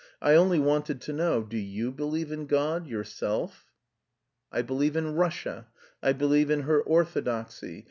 "I only wanted to know, do you believe in God, yourself?" "I believe in Russia.... I believe in her orthodoxy....